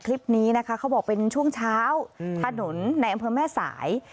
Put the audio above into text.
คลิปนี้นะคะเขาบอกเป็นช่วงเช้าผนุนแหน่งพื้นแม่สาย